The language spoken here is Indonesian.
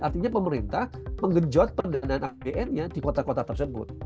artinya pemerintah menggenjot pendanaan apn nya di kota kota tersebut